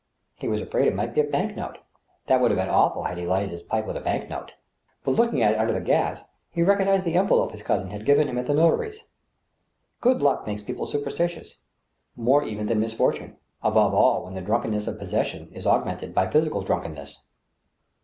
He was afraid it might be a bank note. It would have been awful had he lighted his pipe with a bank note. But, looking at it under the gas, he recognized the envelope his cousin had g^ven him at the notary's. Good luck makes people superstitious, more even than misfor tune ; above all, when the drunkenness of possession is augmented by physical drunkenness.